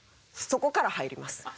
そこから入ります。